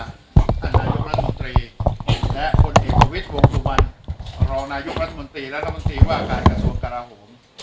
นายกรัฐมนตรีและคนเอกประวิทย์วงสุวรรณรองนายกรัฐมนตรีและรัฐมนตรีว่าการกระทรวงกราโหม